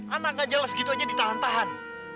anak gak jelas gitu aja ditahan tahan